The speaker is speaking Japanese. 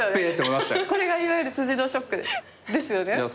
これがいわゆる辻堂ショックですよね。